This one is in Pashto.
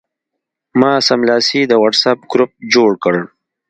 ما سملاسي د وټساپ ګروپ جوړ کړ.